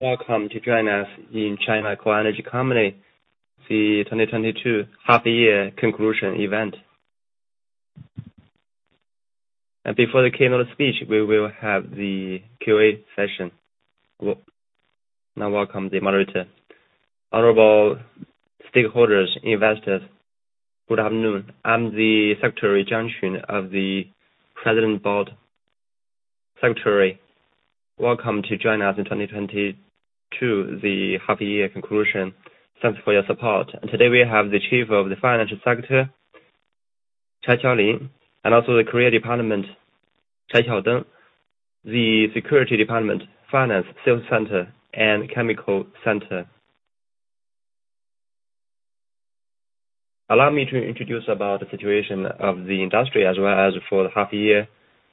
Welcome to join us in China Coal Energy Company, the 2022 half year conclusion event. Before the keynote speech, we will have the Q&A session. Now welcome the moderator. Honorable stakeholders, investors, good afternoon. I'm the secretary Jiang Qun of the President Board Secretary. Welcome to join us in 2022, the half year conclusion. Thanks for your support. Today we have the chief of the financial sector, Chai Qiaolin, and also the coal department, Cai Xiao Deng, the securities department, finance sales center, and chemical center. Allow me to introduce about the situation of the industry as well as for the half year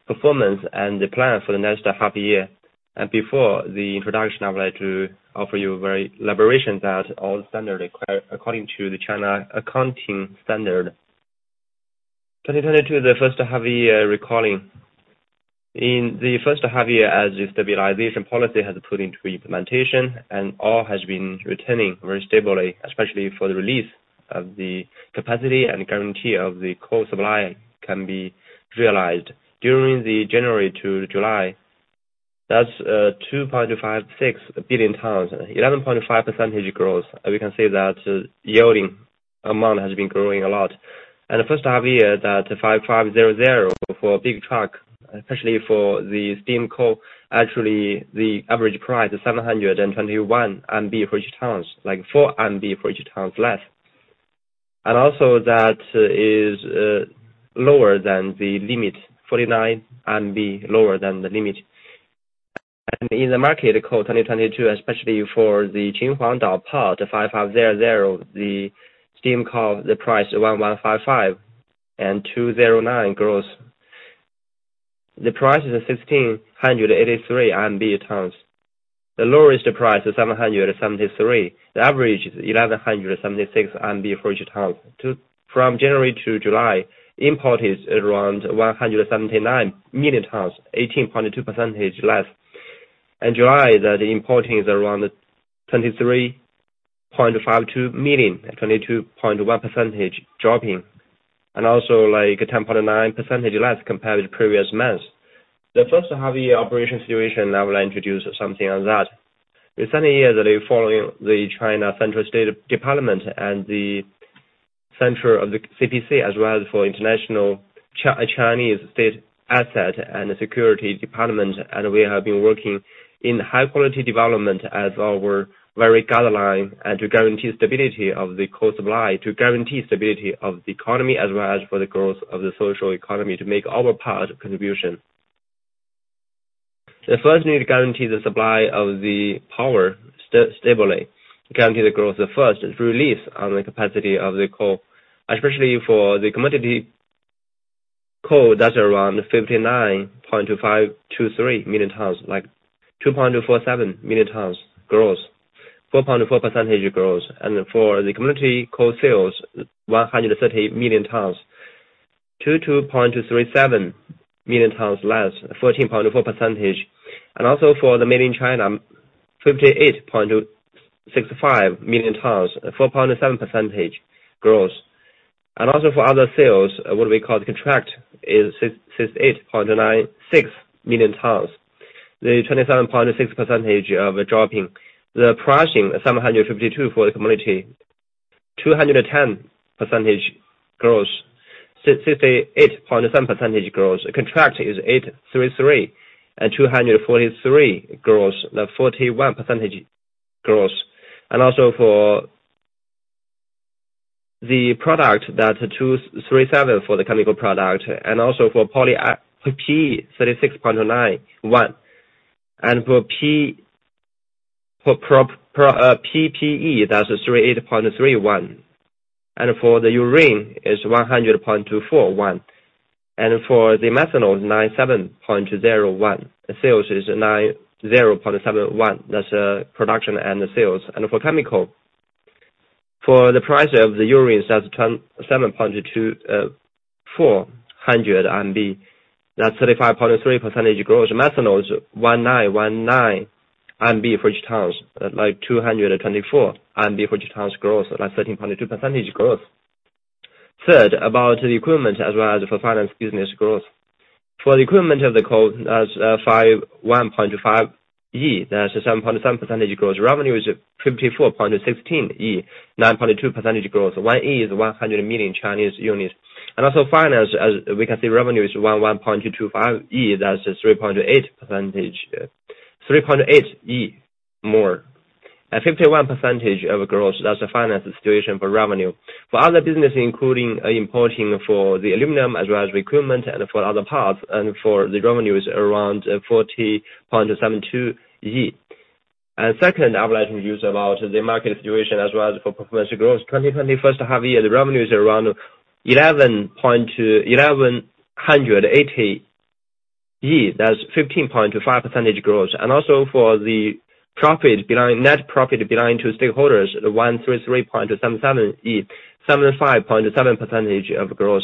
performance and the plan for the next half year. Before the introduction, I would like to offer you a very elaboration that all standard require according to the Chinese Accounting Standards. 2022, the first half year results. In the first half year, as the stabilization policy has put into implementation and coal has been retaining very stably, especially for the release of the capacity and guarantee of the coal supply can be realized. During January to July, that's 2.56 billion tons, 11.5% growth. We can say that yielding amount has been growing a lot. In the first half year that 5500 for big track, especially for the steam coal, actually the average price is 721 for each ton, like 4 for each ton less. That is lower than the limit, 49 lower than the limit. In the market coal 2022, especially for the Qinhuangdao port 5500, the steam coal, the price 1,155 and 20.9% growth. The price is 1,683 RMB/ton. The lowest price is 773/ton. The average is 1,176 RMB per ton. From January to July, import is around 179 million tons, 18.2% less. In July, the importing is around 23.52 million tons, 22.1% dropping, and also like a 10.9% less compared to the previous months. The first half year operation situation, I will introduce something on that. This current year that is following the China Central State Department and the center of the CPC as well as for international Chinese state asset and the security department. We have been working in high quality development as our very guideline and to guarantee stability of the coal supply, to guarantee stability of the economy, as well as for the growth of the social economy to make our part of contribution. We first need to guarantee the supply of the power stably, guarantee the growth. We first release on the capacity of the coal, especially for the commercial coal that's around 59.523 million tons, like 2.47 million tons growth, 4.4% growth. For the coking coal sales, 130 million tons, 2.37 million tons less, 14.4%. For mainland China, 58.65 million tons, 4.7% growth. For other sales, what we call the contract is 668.96 million tons. The 27.6% dropping. The pricing, 752 for the commodity, 210% growth, 668.7% growth. The contract is 833 and 243 growth, the 41% growth. For the product, that's 237 for the chemical product and also for PE, 36.91. For PP, 38.31. For the urea is 100.241. For the methanol, 97.01. The sales is 90.71. That's production and the sales. For chemical, for the price of the urea, it's at 1,072, CNY 400. That's 35.3% growth. Methanol is 1919 per ton, like 224 per ton growth, like 13.2% growth. Third, about the equipment as well as for finance business growth. For the equipment of the coal, that's 51.5 E. That's a 7.7% growth. Revenue is 54.16 E, 9.2% growth. One E is 100 million Chinese units. Also finance, as we can see, revenue is 11.225 E. That's a 3.8%. 3.8 E more. And 51% of growth, that's the finance situation for revenue. For other business including importing for the aluminum as well as recruitment and for other parts, revenue is around 40.72 E. Second, I would like to introduce about the market situation as well as for performance growth. 2021 first half year, the revenue is around 1,180 E. That's 15.5% growth. For the net profit behind to stakeholders, 133.77 E, 75.7% growth.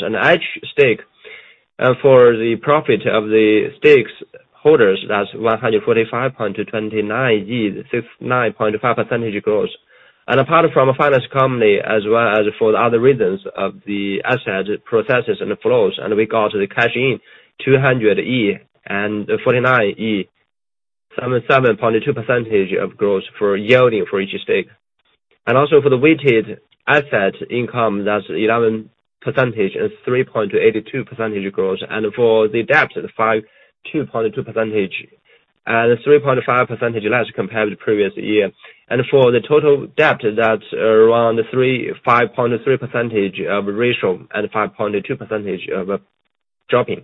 For the profit of the stakeholders, that's 145.29 yuan, 59.5% growth. Apart from a finance company, as well as for the other reasons of the asset processes and the flows, and regard to the cash in, 249.7.2% growth for yielding for each stake. For the weighted asset income, that's 11% and 3.82% growth. For the debt, 5.2% and 3.5% less compared to previous year. For the total debt, that's around 35.3% of ratio and 5.2% of dropping.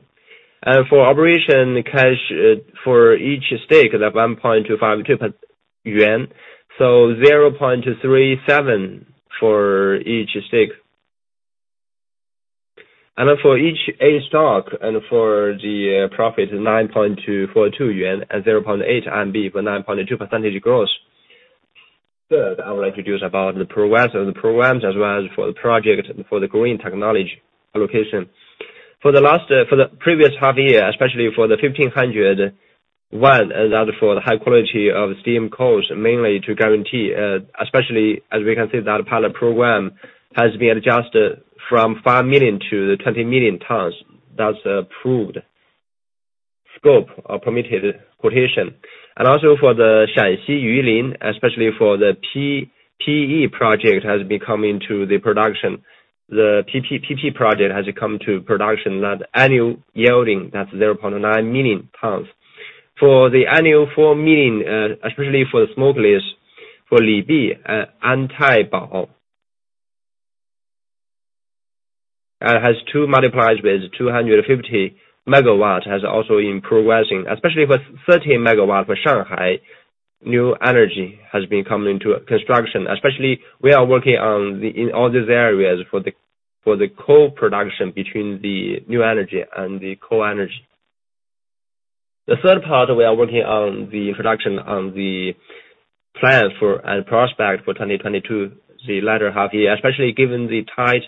For operating cash, for each stake, 1.25 yuan. 0.37 for each stake. Then for each A-share and for the profit, 9.242 yuan and 0.8 for 9.2% growth. Third, I would like to introduce the progress of the programs as well as the project for the green technology allocation. For the previous half year, especially for the 1500 mine, that is for the high quality of steam coal, mainly to guarantee, especially as we can see that pilot program has been adjusted from 5 million to 20 million tons. That's approved scope of permitted quota. Also for the Shaanxi Yulin, especially for the PP project, has been coming to the production. The PP project has come to production. That annual yielding, that's 0.9 million tons. For the annual 4 million, especially for the smokeless, for Libi, Antaibao, has two multiplies with 250 MW has also been progressing, especially with 30 megawatt for Shangwan. New energy has been coming to construction. We are working on the. In all these areas for the co-production between the new energy and the coal energy. The third part, we are working on the production, on the plans for and prospect for 2022, the latter half year, especially given the tight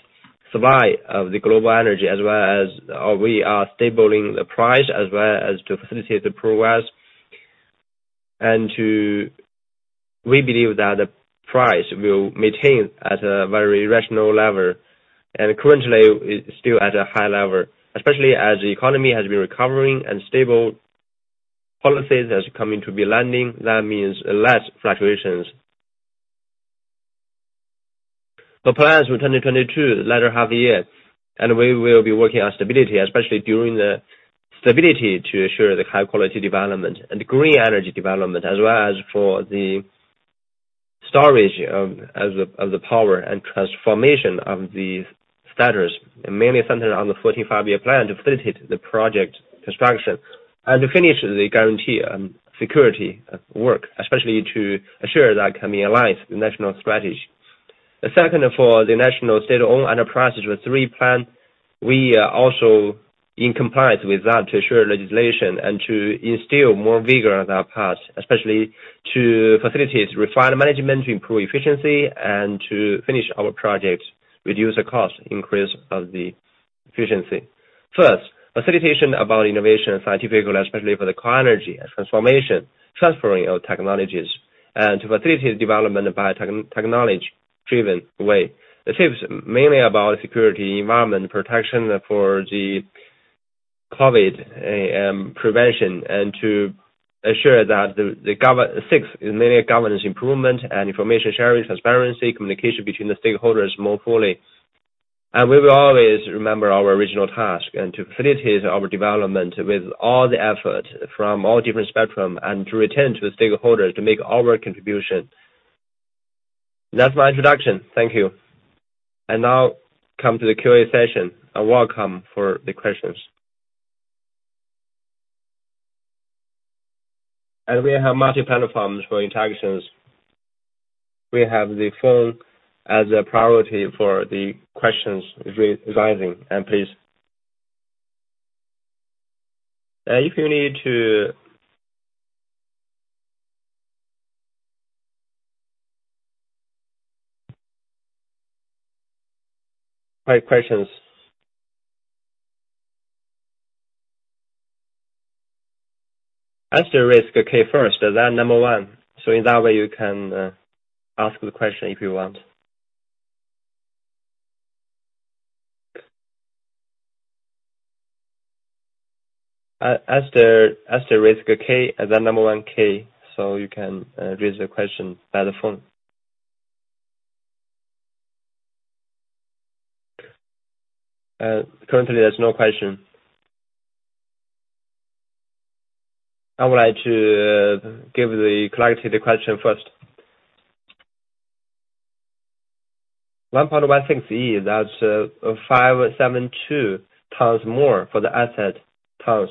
supply of the global energy, as well as we are stabilizing the price, as well as to facilitate the progress. We believe that the price will maintain at a very rational level. Currently it's still at a high level, especially as the economy has been recovering and stable policies has coming to be landing. That means less fluctuations. The plans for 2022, the latter half year, and we will be working on stability, especially during the stability to ensure the high quality development and green energy development, as well as for the storage of the power and transformation of these status, mainly centered on the 14th Five-Year Plan to facilitate the project construction and to finish the guarantee security work, especially to assure that can be aligned with national strategy. The second for the national state-owned enterprises with three-year plan. We are also in compliance with that to ensure legislation and to instill more vigor in our path, especially to facilitate, refine management, improve efficiency, and to finish our project, reduce the cost, increase of the efficiency. First, facilitation about innovation and scientific growth, especially for the coal energy transformation, transfer of technologies, and to facilitate development by technology driven way. The fifth's mainly about security, environmental protection for the COVID prevention and to assure that sixth is mainly governance improvement and information sharing, transparency, communication between the stakeholders more fully. We will always remember our original task and to facilitate our development with all the effort from all different spectrum and to return to the stakeholders to make our contribution. That's my introduction. Thank you. Now come to the QA session. Welcome for the questions. We have multiple platforms for interactions. We have the phone as a priority for the questions rising. All right, questions. Asterisk key first, is that number one? So in that way you can ask the question if you want. Asterisk key, and then number one key, so you can raise your question by the phone. Currently there's no question. I would like to clarify the question first. 1.16E, that's 5.72x more for the asset tons.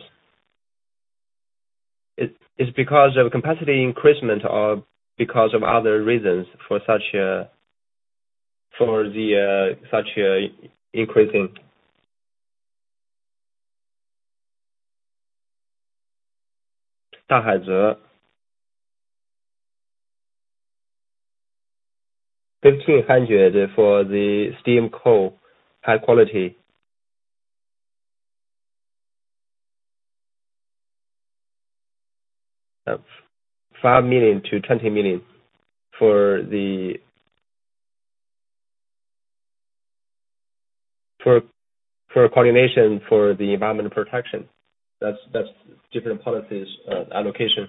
It's because of capacity increase or because of other reasons for such an increasing. Dahaize. 1,500 for the steam coal, high quality. CNY 5 million-CNY 20 million for coordination for the environmental protection. That's different policies, allocation.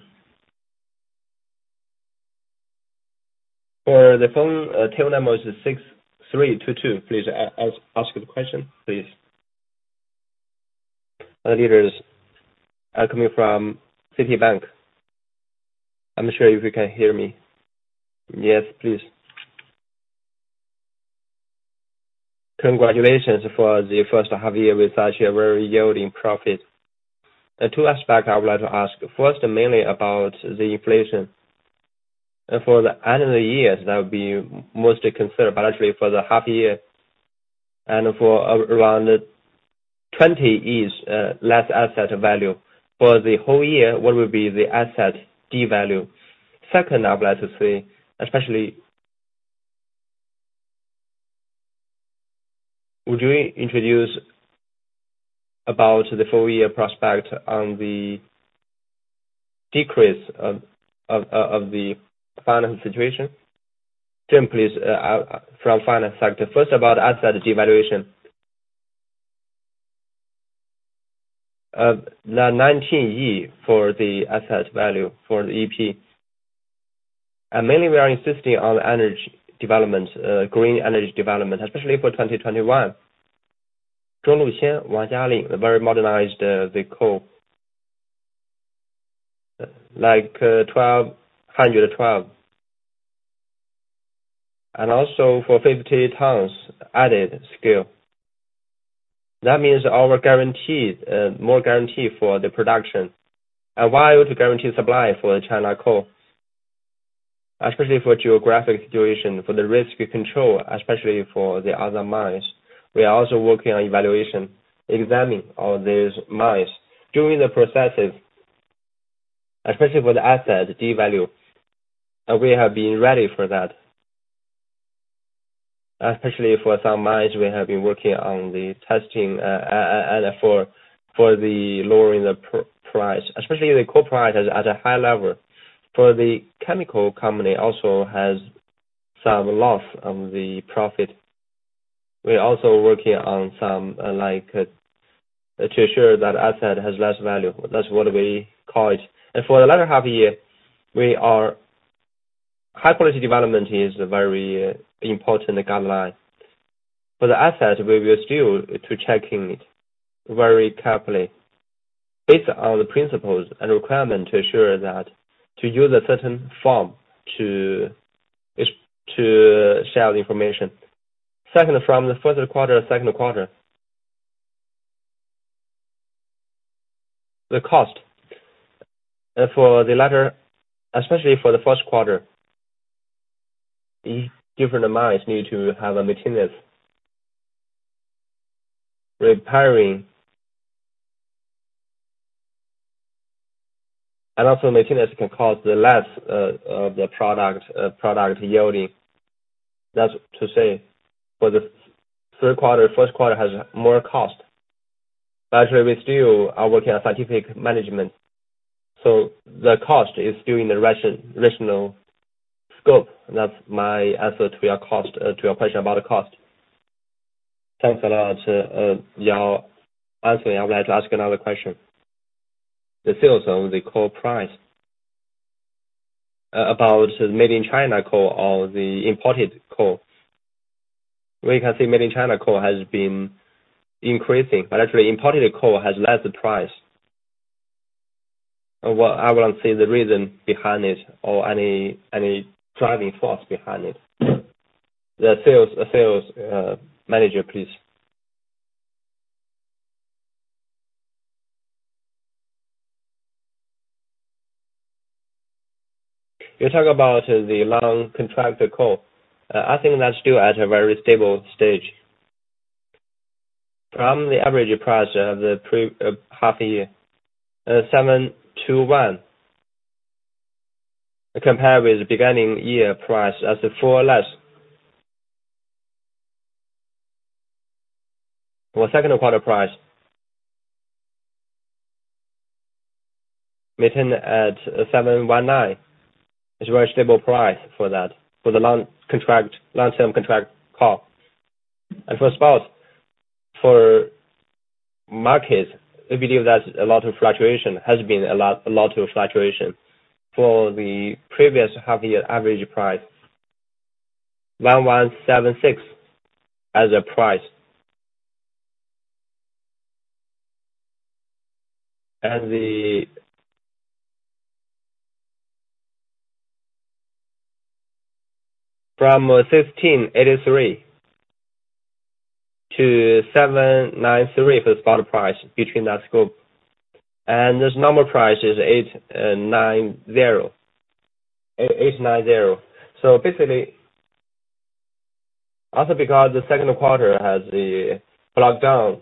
For the phone, table number is 6322. Please ask the question, please. Leaders. I'm coming from Citibank. I'm not sure if you can hear me. Yes, please. Congratulations for the first half year with such a very yielding profit. The two aspects I would like to ask. First, mainly about the inflation. For the end of the year, that would be mostly considered, but actually for the half year and for around 20 years, less asset value. For the whole year, what will be the asset devaluation? Second, I would like to say, especially. Would you introduce about the full year prospect on the decrease of the financial situation? Tim, please, from finance sector. First, about asset devaluation. The 2019 year for the asset value for the EP. Mainly we are investing in energy development, green energy development, especially for 2021. Very modernized the coal. Like, 1,212. And also for 50 tons added scale. That means our guarantee, more guarantee for the production. We have to guarantee supply for China Coal, especially for geographic situation, for the risk control, especially for the other mines. We are also working on evaluation, examining all these mines. During the processes, especially for the asset devaluation, we have been ready for that. Especially for some mines, we have been working on the testing, and for lowering the price, especially the coal price is at a high level. For the chemical company also has some loss on the profit. We're also working on some, like, to ensure that asset has less value. That's what we call it. For the latter half of the year, we are. High-quality development is a very important guideline. For the asset, we are still to checking it very carefully based on the principles and requirement to ensure that, to use a certain form to share the information. Second, from the first quarter, second quarter. The cost for the latter, especially for the first quarter, different amounts need to have a maintenance. Repairing. Also, maintenance can cause the less of the product yielding. That's to say, for the third quarter, first quarter has more cost. Actually, we still are working on scientific management, so the cost is doing the rational scope. That's my answer to your question about the cost. Thanks a lot. Y'all, actually, I would like to ask another question. The sales on the coal price, about made in China coal or the imported coal. We can see made in China coal has been increasing, but actually imported coal has less price. Well, I wanna see the reason behind it or any driving force behind it. The sales manager, please. You talk about the long contracted coal. I think that's still at a very stable stage. From the average price of the previous half year, 721, compared with beginning year price 400 less. For second quarter price, meeting at 719 is very stable price for that, for the long contract, long-term contract coal. For spot, for markets, we believe that a lot of fluctuation has been a lot of fluctuation. For the previous half year average price, 1,176 as a price. From 1,583 to 793 for spot price between that scope. This normal price is 890. E-890. Basically, also because the second quarter has a lockdown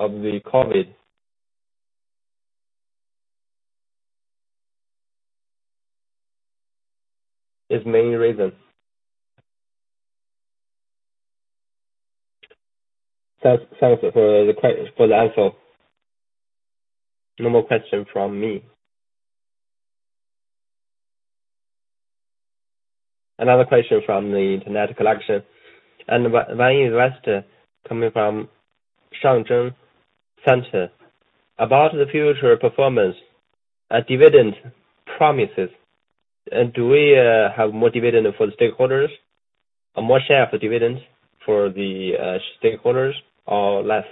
of the COVID. There are many reasons. Thanks for the answer. No more question from me. Another question from the internet collection. One investor coming from [Shangjun Center]. About the future performance and dividend promises, and do we have more dividend for the stakeholders or more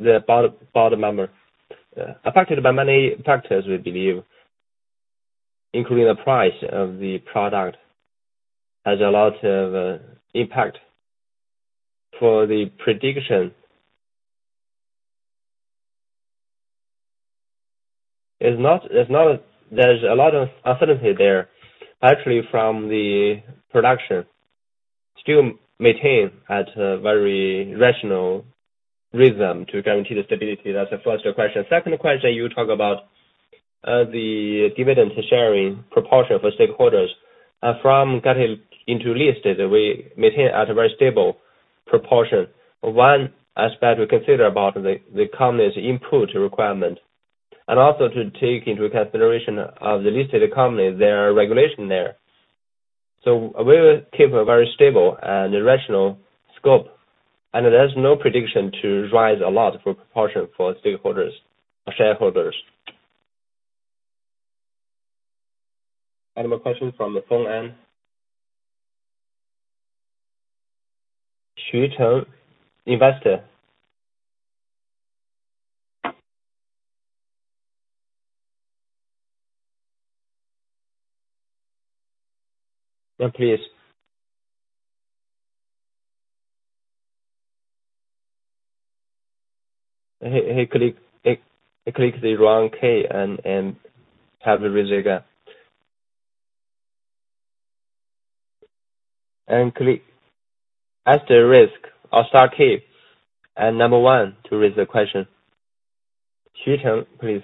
share for dividends for the stakeholders or less? The bottom number. Affected by many factors, we believe, including the price of the product, has a lot of impact for the prediction. There's a lot of uncertainty there. Actually, from the production, still maintain at a very rational rhythm to guarantee the stability. That's the first question. Second question, you talk about the dividend sharing proportion for stakeholders. From getting into listed, we maintain at a very stable proportion. One aspect we consider about the company's input requirement, and also to take into consideration of the listed company, there are regulation there. We will keep a very stable and rational scope. There's no prediction to rise a lot for proportion for stakeholders or shareholders. Any more question from the phone line? Xu Cheng, investor. Yeah, please. He clicked the wrong key and have to raise it again. Press the star key and number one to raise the question. Xu Cheng, please.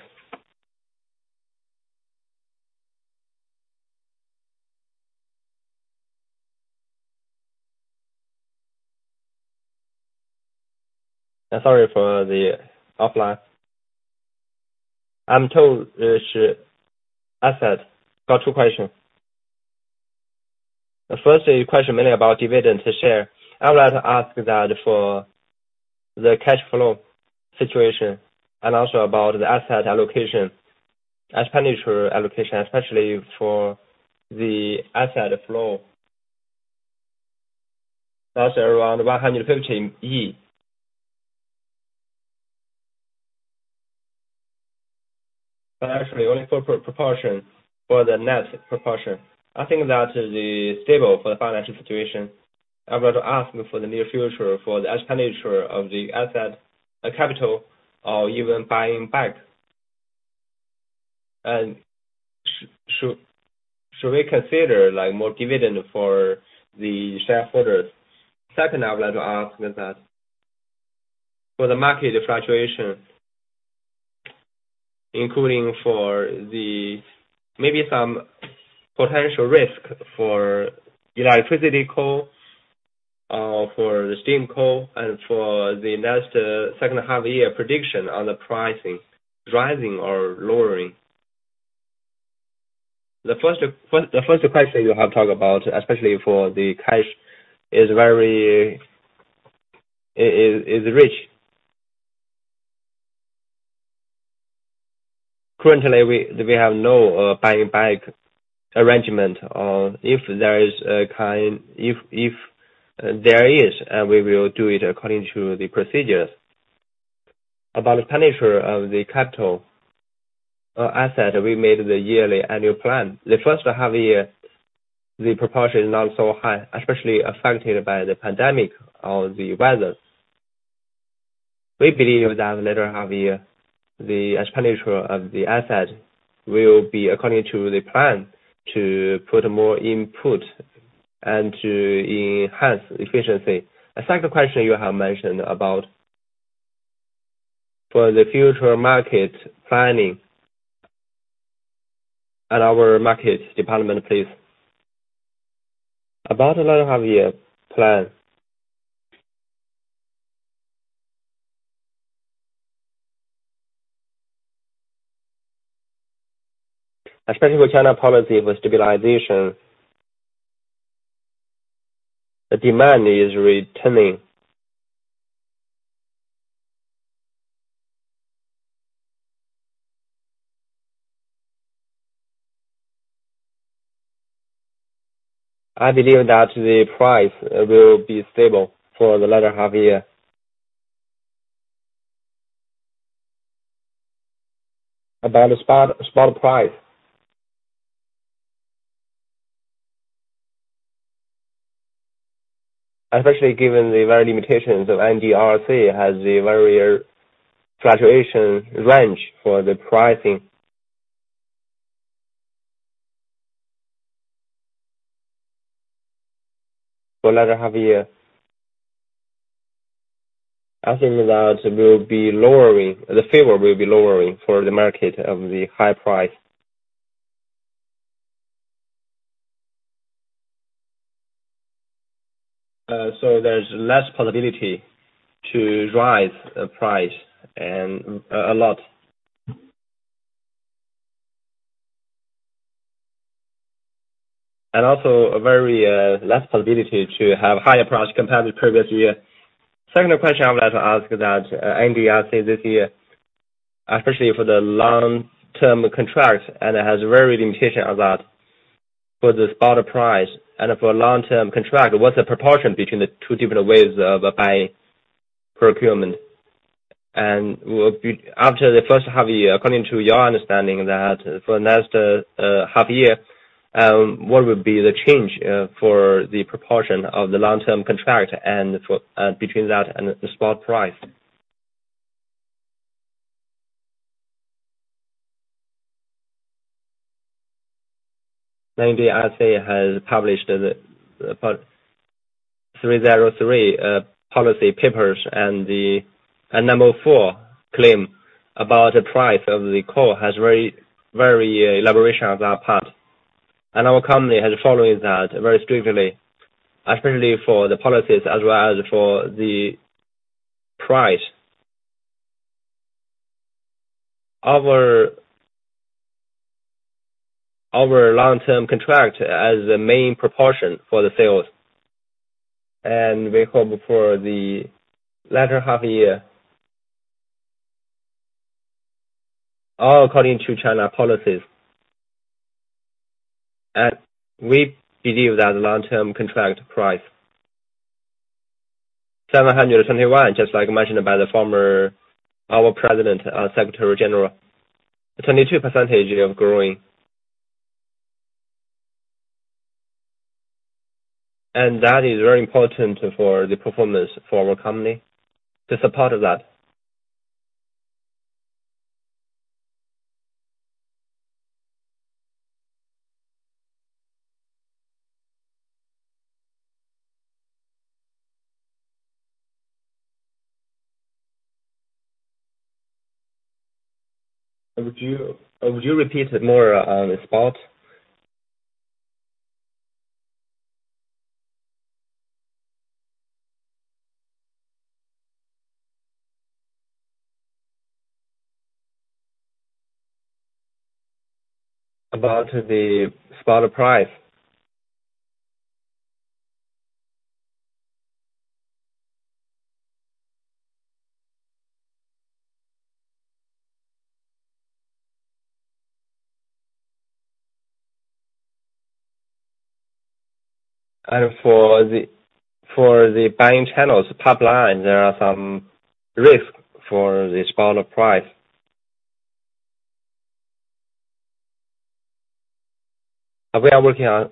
Sorry for the offline. I'm Xu Cheng. Got two question. The first question mainly about dividends to share. I would like to ask that for the cash flow situation and also about the asset allocation, expenditure allocation, especially for the asset flow. That's around CNY 11.5 billion. But actually only for proportion, for the net proportion. I think that is the stable for the financial situation. I would ask for the near future for the expenditure of the asset, capital or even buying back. Should we consider like more dividend for the shareholders? Second, I would like to ask is that, for the market fluctuation, including maybe some potential risk for electricity coal, for the steam coal and for the next, second half year prediction on the pricing rising or lowering. The first question you have talked about, especially for the cash, is very rich. Currently, we have no buying back arrangement. If there is, we will do it according to the procedures. About expenditure of the capital asset, we made the yearly annual plan. The first half year, the proportion is not so high, especially affected by the pandemic or the weather. We believe that latter half year, the expenditure of the asset will be according to the plan to put more input and to enhance efficiency. The second question you have mentioned about for the future market planning. Our markets department, please. About the latter half year plan. Especially with China policy with stabilization, the demand is returning. I believe that the price will be stable for the latter half year. About the spot price. Especially given the wide limitations of NDRC has a very fluctuation range for the pricing. For another half year. I think that will be lowering, the favor will be lowering for the market of the high price. So there's less probability to rise price and a lot. Also a very less probability to have higher price compared to previous year. Second question I would like to ask is that, NDRC this year, especially for the long-term contract, and it has very limitation of that for the spot price and for long-term contract. What's the proportion between the two different ways of, by procurement? And after the first half year, according to your understanding that for the next, half year, what would be the change, for the proportion of the long-term contract and for, between that and the spot price? NDRC has published the about 303 policy papers and number four claim about the price of the coal has very elaboration on our part. Our company has following that very strictly, especially for the policies as well as for the price. Our Our long-term contract as the main proportion for the sales, and we hope for the latter half year. All according to China policies. We believe that long-term contract price. 771, just like mentioned by the former, our president, secretary general. 22% growth. That is very important for the performance for our company to support that. Would you repeat it more on the spot? About the spot price. For the buying channels pipeline, there are some risk for the spot price. We are working on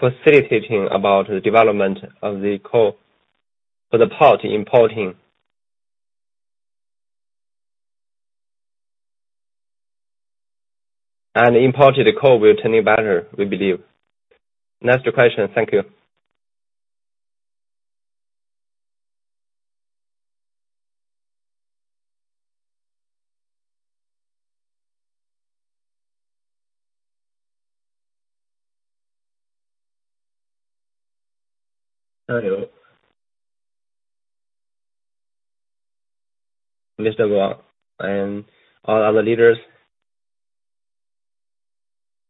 facilitating about the development of the coal for the port importing. Imported coal will turning better, we believe. Next question. Thank you. Hello. Mr. Wang and all our leaders.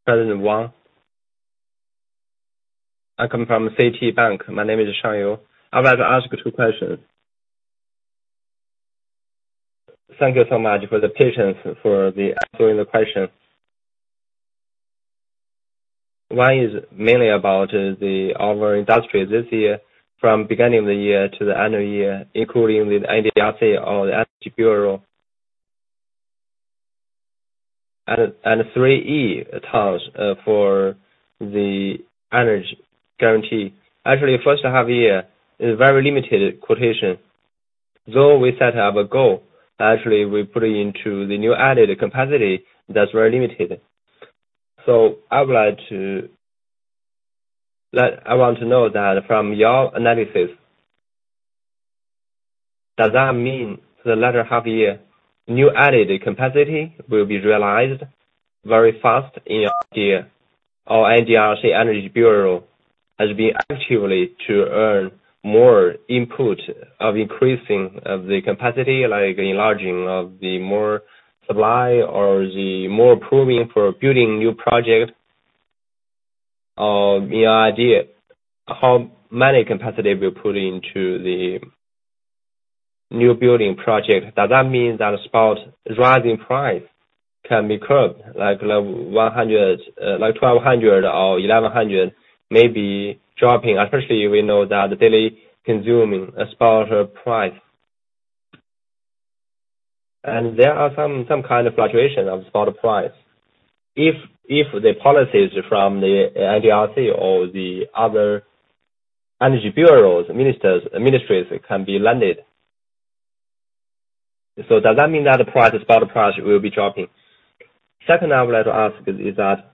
President Wang. I come from China CITIC Bank. My name is Shang Yu. I'd like to ask you two questions. Thank you so much for the patience for the answering the question. One is mainly about our industry this year, from beginning of the year to the end of year, including the NDRC or the Energy Bureau, and three entities for the energy guarantee. Actually first half year is very limited quota. Though we set up a goal, actually we put into the new added capacity that's very limited. I want to know that from your analysis, does that mean the latter half year, new added capacity will be realized very fast in or NDRC Energy Bureau has been actively to earn more input of increasing of the capacity, like enlarging of the more supply or the more approving for building new project? Any idea how many capacity we put into the new building project? Does that mean that spot price rising can be curbed like 100, like 1200 or 1100, maybe dropping, especially we know that the daily consumption at spot price. There are some kind of fluctuation of spot price. If the policies from the NDRC or the other energy bureaus, ministers, ministries can be landed. Does that mean that the price, the spot price will be dropping? Second, I would like to ask is that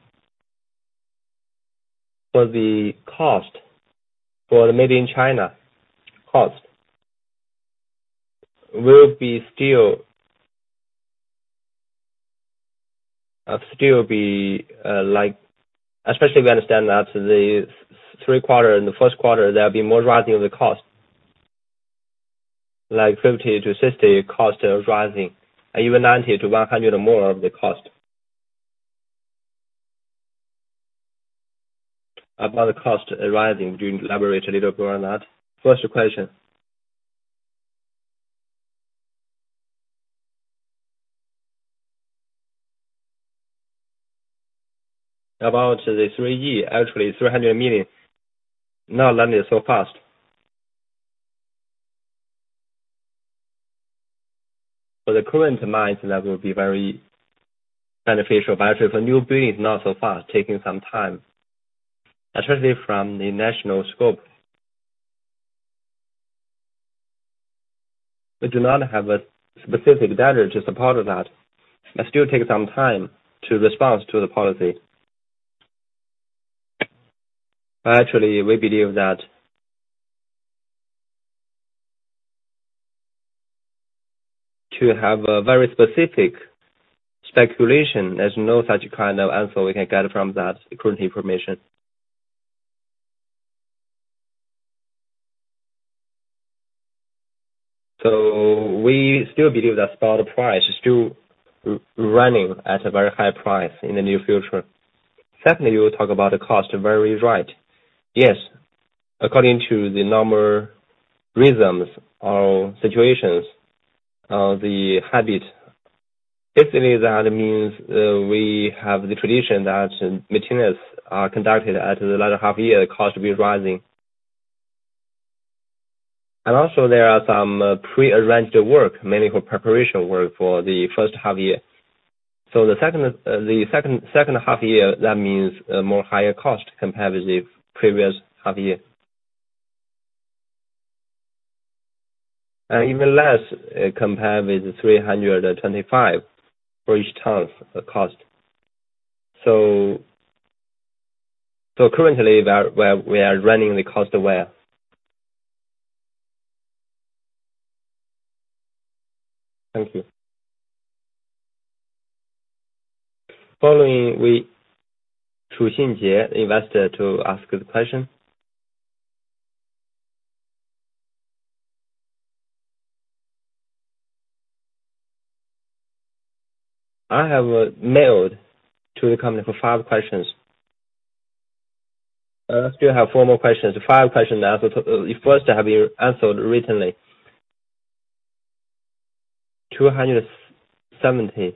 for the cost for the made in China cost will still be like especially we understand that the third quarter and the first quarter, there'll be more rising of the cost, like 50-60 cost of rising and even 90-100 more of the cost. About the cost rising, could you elaborate a little more on that? First question. About the 300 million. Not ramping so fast. For the current mines, that will be very beneficial. Actually for new buildings, not so fast, taking some time, especially from the national scope. We do not have a specific data to support that. It still takes some time to respond to the policy. Actually, we believe that to have a very specific speculation. There's no such kind of answer we can get from that current information. We still believe that spot price is still running at a very high price in the near future. Secondly, you talk about the cost. Very right. Yes. According to the normal rhythms or situations, the habit, basically, that means, we have the tradition that maintenance are conducted at the latter half year, cost will be rising. Also there are some prearranged work, mainly for preparation work for the first half year. The second half year, that means more higher cost compared with the previous half year. Even less compared with the 325 per ton cost. Currently, we are running the cost well. Thank you. Following, Chu Xinje, investor to ask the question. I have mailed to the company for five questions. Still have four more questions. Five questions. The first have been answered recently. 270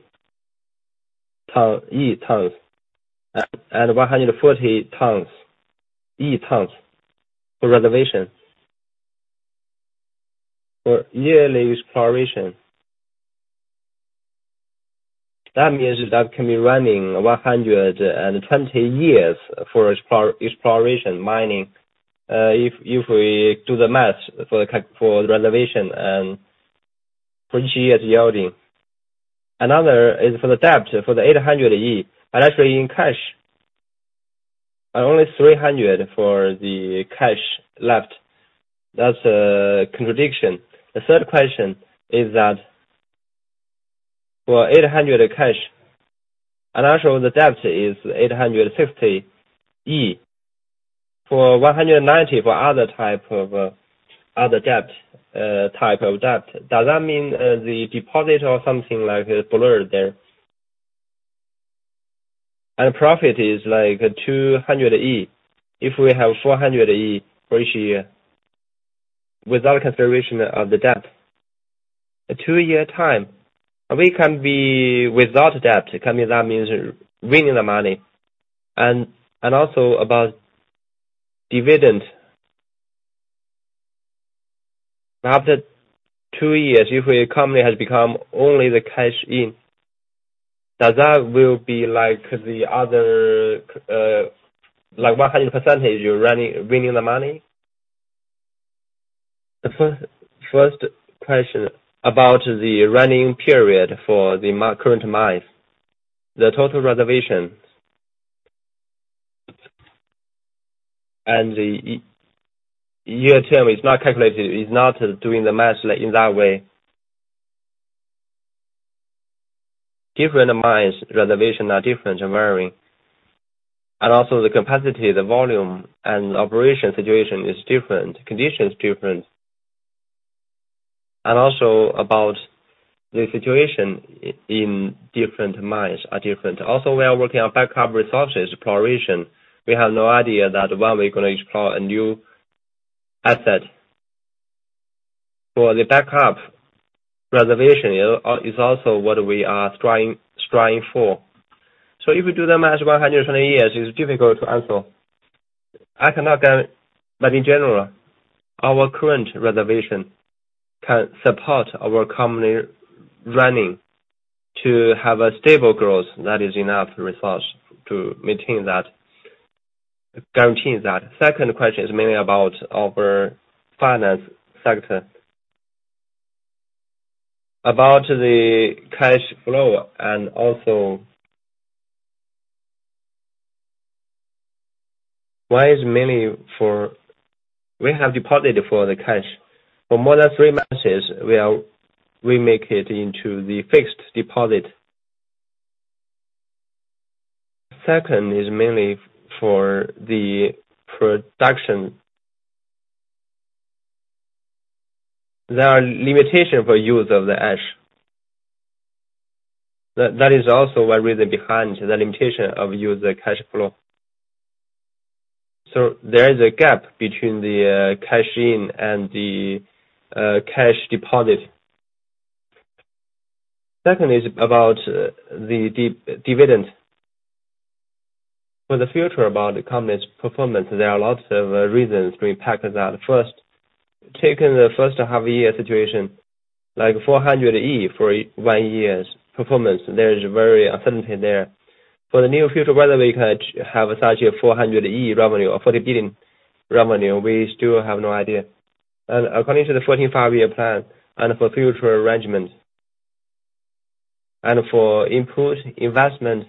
tons and 140 tons, yi tons for reservation. For yearly exploration. That means that can be running 120 years for exploration mining. If we do the math for the reservation and for each year's yielding. Another is for the debt, for the 800 yi and actually in cash, and only 300 for the cash left. That's a contradiction. The third question is that for 800 cash, and actually the debt is 850 yi. For 190 for other types of debt. Does that mean the deposit or something like blurred there? Profit is like 200 yi. If we have 400 yi for each year without consideration of the debt. A 2-year time, we can be without debt. I mean, that means winning the money. Also about dividends. After two years, if a company has become only the cash in, does that will be like the other, like 100% you're winning the money? The first question about the running period for the current mines, the total reserves. The year term is not calculated, is not doing the math, like, in that way. Different mines reserves are different and varying. Also the capacity, the volume and operation situation is different, conditions different. Also about the situation in different mines are different. Also, we are working on backup resources exploration. We have no idea that when we're gonna explore a new asset. For the backup reserves is also what we are striving for. If you do the math 120 years, it's difficult to answer. I cannot guarantee that. In general, our current reserves can support our company running to have a stable growth that is enough resource to maintain that. The second question is mainly about our finance sector. About the cash flow and also. Why is mainly for we have deposited the cash for more than three months, we make it into the fixed deposit. The second is mainly for the production. There are limitations for use of the cash. That is also one reason behind the limitation of our cash flow. There is a gap between the cash in and the cash deposit. The second is about the dividend. For the future about the company's performance, there are lots of reasons we postponed that. First, taking the first half year situation, like 400 million for one year's performance, there is very uncertainty there. For the near future, whether we can have such a 400 million revenue or 40 billion revenue, we still have no idea. According to the 14th Five-Year Plan and for future arrangements, and for improved investment,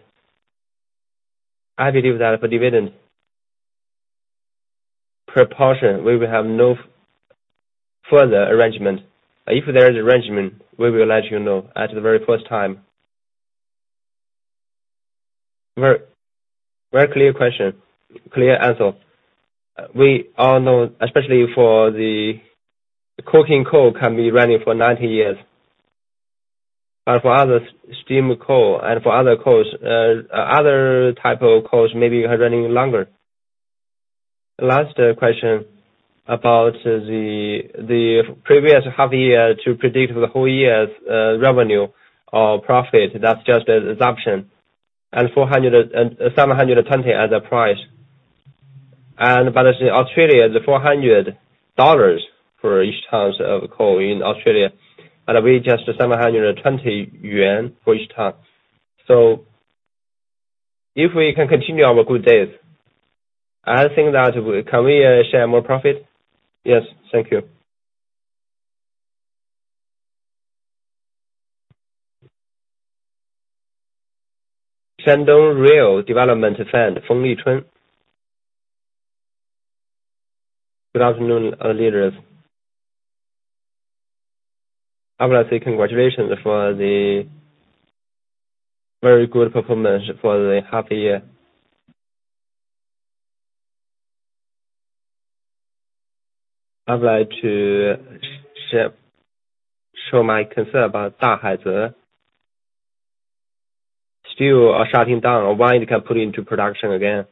I believe that for dividend proportion, we will have no further arrangement. If there is arrangement, we will let you know at the very first time. Very, very clear question. Clear answer. We all know, especially for the coking coal can be running for 90 years. For other steam coal and for other coals, other type of coals may be running longer. Last question about the previous half year to predict the whole year's revenue or profit. That's just an assumption. 720 as a price. As in Australia, $400 for each ton of coal in Australia, and we just 720 yuan for each ton. So if we can continue our good days, I think that we can really share more profit. Yes. Thank you. Shandong Real Development Fund, Feng Lichun. Good afternoon, leaders. I wanna say congratulations for the very good performance for the half year. I'd like to show my concern about Dahaize. Still shutting down, when it can put into production again?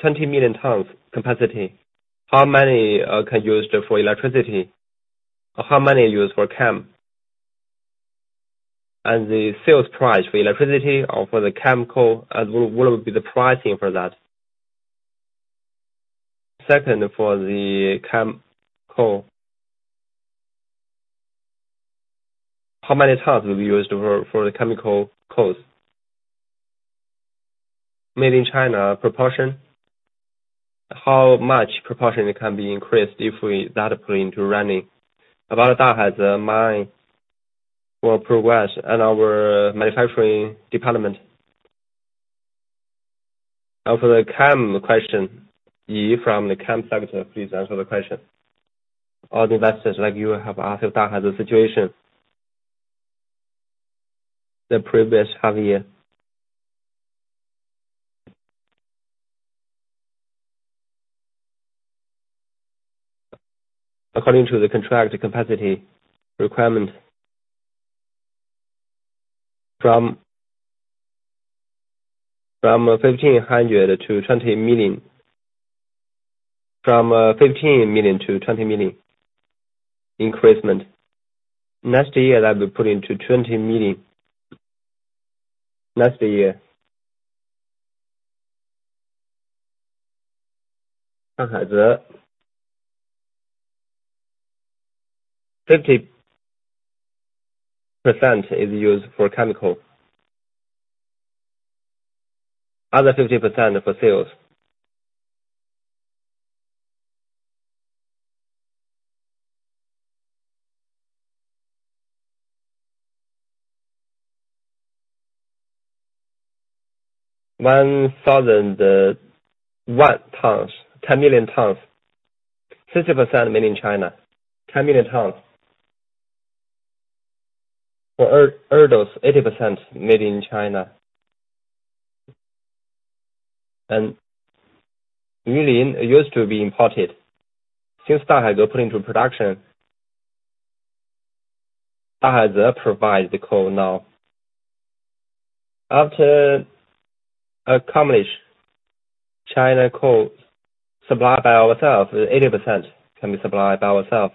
20 million tons capacity. How many can be used for electricity? How many use for chem? And the sales price for electricity or for the chemical, and what would be the pricing for that? Second, for the chem coal. How many tons will be used for the chemical coals? Made in China proportion. How much proportion can be increased if we put that into running? About Dahaize mine for progress and our manufacturing department. Now for the chemical question, Yi from the chemical sector, please answer the question. All investors like you have asked Dahaize situation. The previous half year. According to the contract capacity requirement. From 1,500 to 20 million. From 15 million to 20 million increasement. Next year, that'll be put into 20 million. Dahaize. 50% is used for chemical. Other 50% for sales. 1,000 tons. 10 million tons. 50% made in China. 10 million tons. For Ordos, 80% made in China. Usually used to be imported. Since Dahaize put into production. Dahaize provides the coal now. After accomplish, China Coal supply by ourselves, 80% can be supplied by ourselves.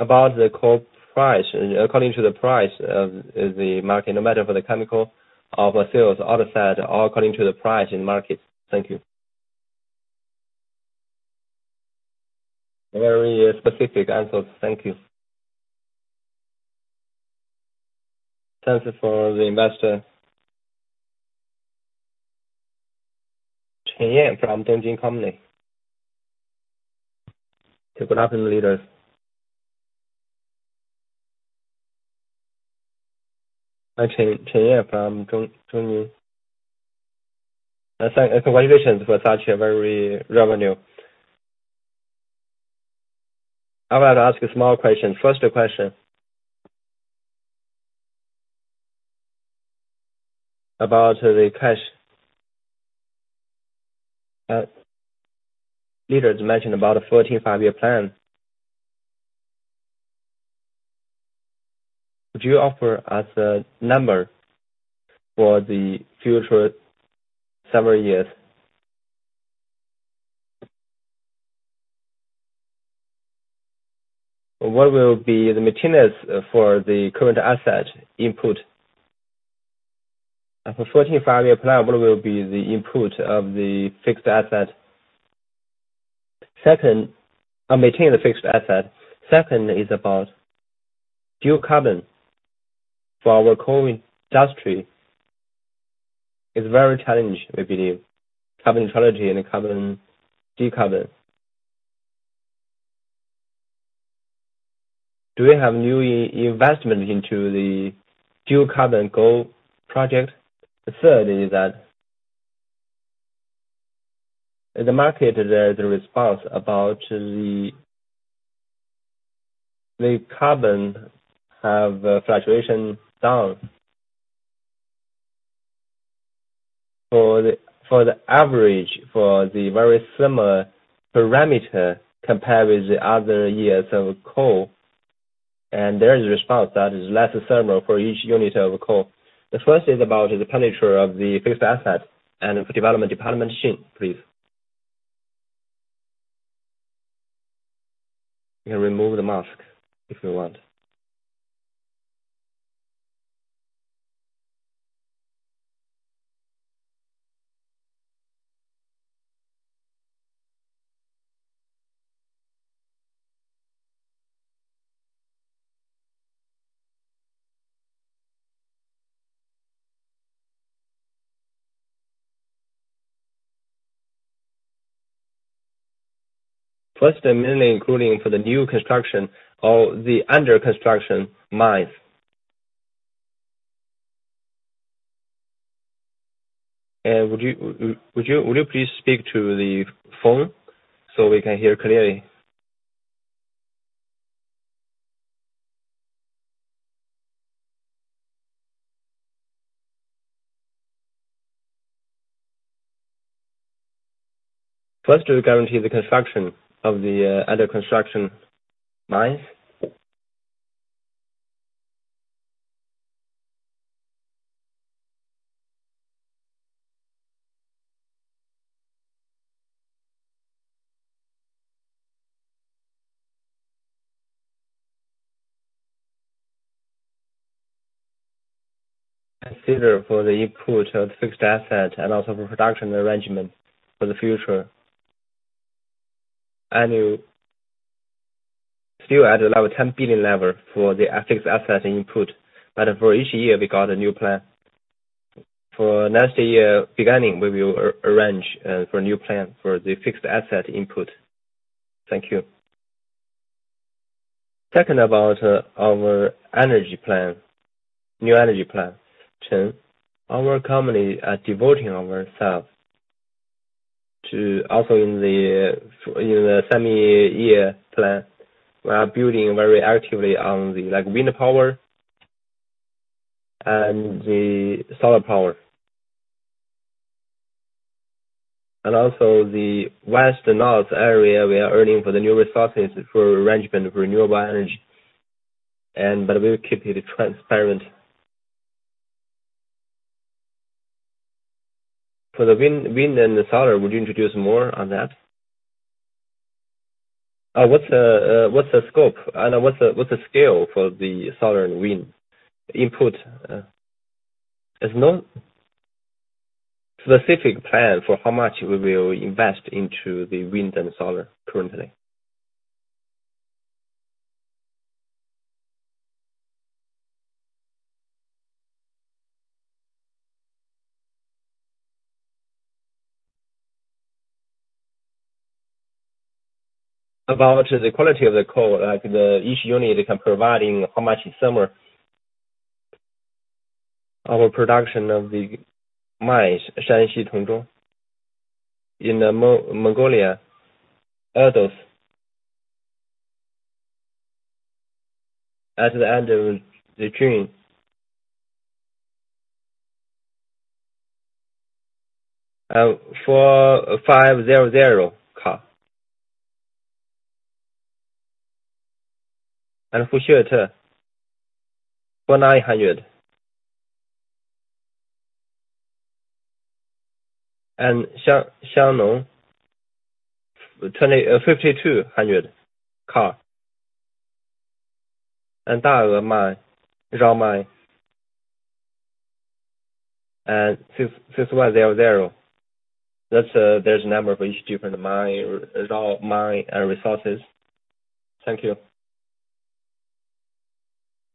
About the coal price, according to the price of the market, no matter for the chemical or for sales, other side, all according to the price in market. Thank you. Very specific answers. Thank you. Thanks for the investor. Chen Yen from Dongjin Company. Good afternoon, leaders. Actually, Chen Yen from Dongjin Company. Congratulations for such a very revenue. I would like to ask a small question. First question. About the cash. Leaders mentioned about a 14th Five-Year Plan. Would you offer us a number for the future several years? What will be the maintenance for the current asset input? Of a 14th Five-Year Plan, what will be the input of the fixed asset? Second, maintain the fixed asset. Second is about dual carbon. For our coal industry is very challenging, we believe. Carbon peaking and carbon decarbonization. Do we have new investment into the dual carbon goal project? The third is that the market response about the carbon have fluctuation down. For the average, for the very similar parameter compared with the other years of coal, and there is a response that is less thermal for each unit of coal. The first is about the expenditure of the fixed asset and for Development Department, please. You can remove the mask if you want. First, mainly including for the new construction or the under-construction mines. Would you please speak to the phone so we can hear clearly? First, to guarantee the construction of the under-construction mines. Consider for the input of fixed asset and also for production arrangement for the future annual. Still at around 10 billion level for the fixed asset input. But for each year, we got a new plan. For next year beginning, we will arrange for a new plan for the fixed asset investment. Thank you. Second, about our energy plan, new energy plan. Chen, our company are devoting ourselves to also in the semi-annual plan. We are building very actively on the, like, wind power and the solar power. Also the west and north area, we are aiming for the new resources for arrangement of renewable energy. We will keep it transparent. For the wind and the solar, would you introduce more on that? What's the scope and what's the scale for the solar and wind input? There's no specific plan for how much we will invest into the wind and solar currently. About the quality of the coal, like each unit can provide in how much similar our production of the mines, Shanxi Tunlan. In Inner Mongolia, Ordos, at the end of June, 4,500 kcal/kg. Fushun, 4,900. Xiangning, 5,200 kcal/kg. [Da Er Mai, Zhao Mai. Since there's a number for each different mine, all mine resources. Thank you.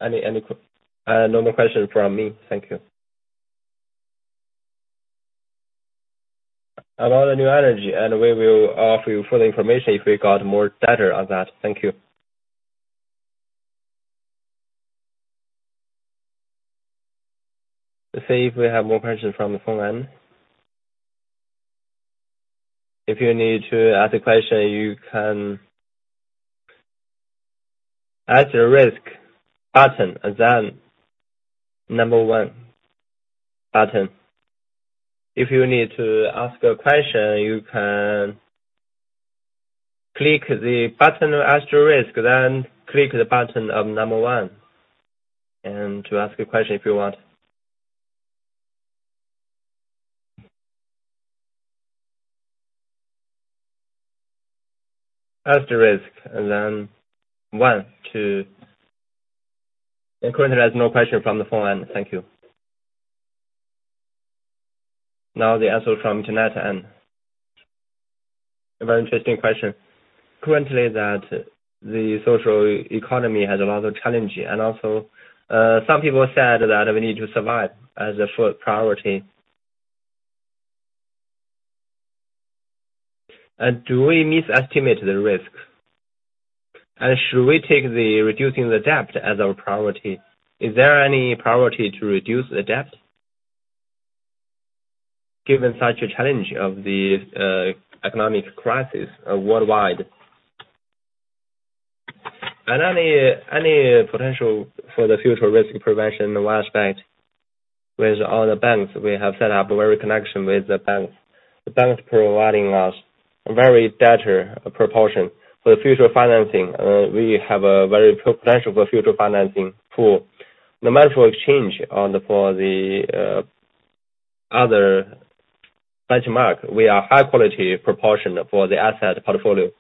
No more questions from me. Thank you. About the new energy, we will offer you further information if we got more data on that. Thank you. Let's see if we have more questions from the phone line. If you need to ask a question, you can press star button and then number one button. If you need to ask a question, you can click the button asterisk, then click the button of number one. To ask a question, if you want. Currently, there's no question from the phone line. Thank you. Now the answer from internet. A very interesting question. Currently that the social economy has a lot of challenge. Also, some people said that we need to survive as a full priority. Do we misestimate the risk? Should we take the reducing the debt as our priority? Is there any priority to reduce the debt? Given such a challenge of the economic crisis worldwide. Any potential for the future risk prevention in one aspect, with all the banks we have set up very connection with the banks. The banks providing us very better proportion for the future financing. We have a very good potential for future financing for the other benchmark. We are high quality proportion for the asset portfolio.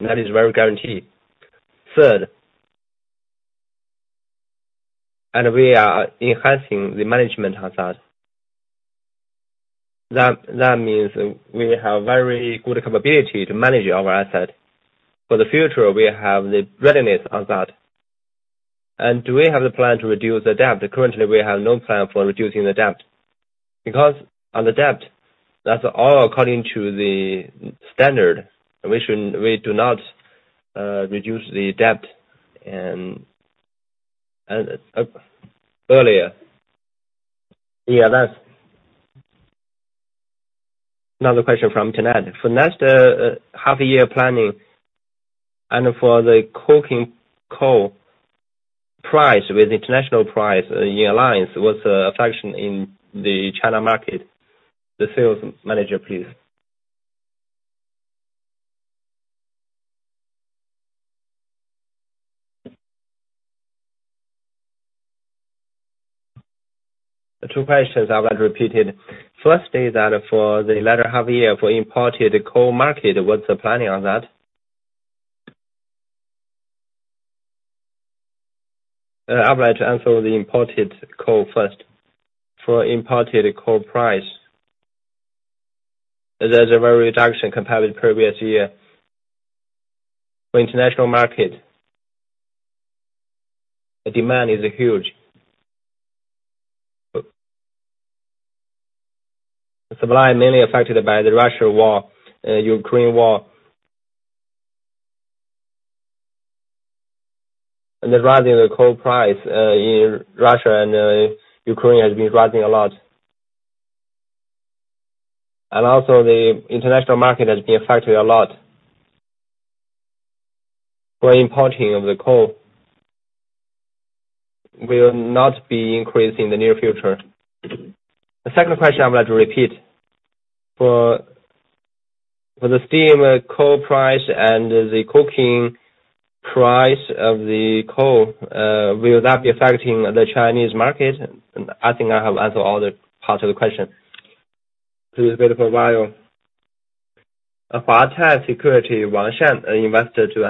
That is very guaranteed. Third, we are enhancing the management on that. That means we have very good capability to manage our asset. For the future, we have the readiness on that. Do we have the plan to reduce the debt? Currently, we have no plan for reducing the debt. Because on the debt, that's all according to the standard. We do not reduce the debt. Earlier. Yeah, that's. Another question from internet. For next half year planning, and for the coking coal price with international price in alignment with, effect on the China market, the sales manager, please. The two questions I would repeat. First is that for the latter half year for imported coal market, what's the planning on that? I'd like to answer the imported coal first. For imported coal price, there's a very reduction compared with previous year. For international market, the demand is huge. The supply mainly affected by the Russia-Ukraine war. The rising of the coal price in Russia and Ukraine has been rising a lot. The international market has also been affected a lot. For importing of the coal will not be increased in the near future. The second question I would like to repeat. For the steam coal price and the coking coal price, will that be affecting the Chinese market? I think I have answered all the parts of the question. Please wait for a while. Huatai Securities, Wang Shen, investor to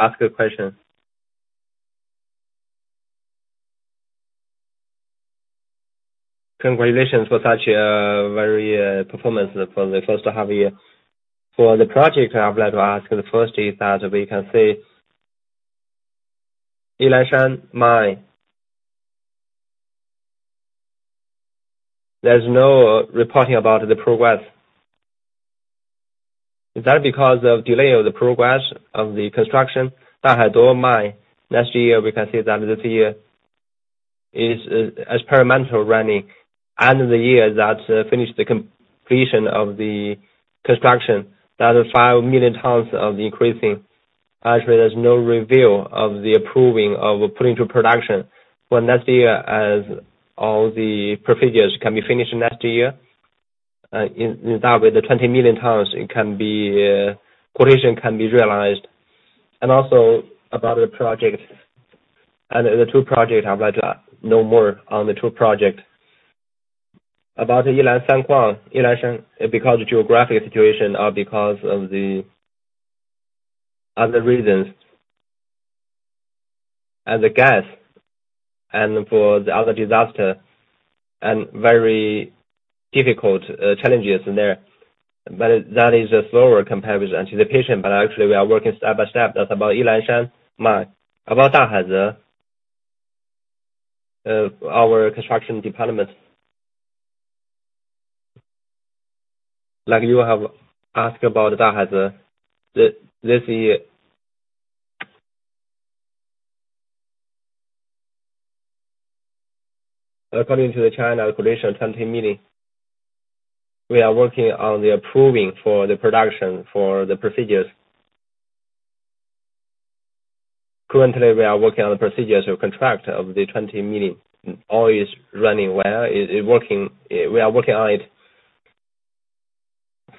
ask a question. Congratulations for such a very performance for the first half year. For the project, I would like to ask the first is that we can see Yilan Mine. There's no reporting about the progress. Is that because of delay of the progress of the construction? Dahaize Mine, last year, we can see that this year is experimental running. End of the year, that's finish the completion of the construction. That is 5 million tons of increasing. Actually, there's no reveal of the approving of putting to production. Well, next year, as all the procedures can be finished next year, in line with the 20 million tons, it can be production can be realized. Also about the project, the two project, I would like to know more on the two project. About Yilan Mine, Yilan, because geographic situation or because of other reasons. The gas, and for the other disaster, and very difficult challenges in there. That is slower compared with the anticipation. Actually we are working step by step. That's about Yilan mine. About Dahaize, our construction department. Like you have asked about Dahaize, this year. According to the China Coal annual meeting, we are working on the approving for the production for the procedures. Currently, we are working on the procedures of contract of the 20 million. All is running well. We are working on it.